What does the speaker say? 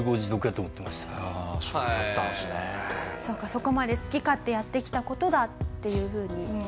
そこまで好き勝手やってきた事がっていうふうに。